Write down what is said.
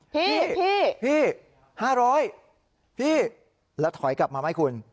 พี่พี่๕๐๐พี่แล้วถอยกลับมาไหมคุณ